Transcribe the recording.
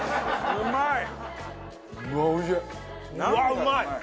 うわうまい！